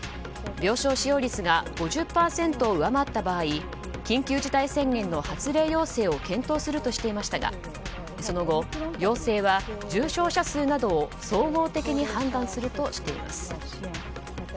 病床使用率が５０％を上回った場合緊急事態宣言の発令要請を検討するとしていましたがその後、要請は重症者数などを総合的に判断するとしています。